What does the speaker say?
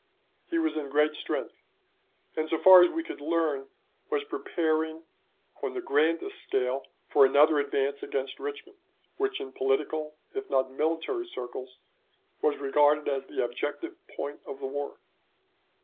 He was in great strength, and, so far as we could learn, was preparing on the grandest scale for another advance against Richmond, which in political if not military circles was regarded as the objective point of the war.